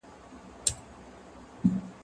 زه له سهاره سبزېجات جمع کوم!!